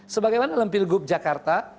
sebagaimana dalam pilgub jakarta